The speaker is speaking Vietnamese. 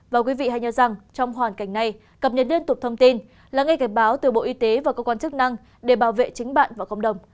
và quý vị hãy nhớ rằng trong hoàn cảnh này cập nhật liên tục thông tin là ngay cảnh báo từ bộ y tế và cơ quan chức năng để bảo vệ chính bạn và cộng đồng